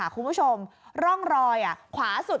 คุณผู้ชมร่องแรงความรอยขวาสุด